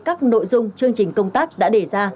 các nội dung chương trình công tác đã đề ra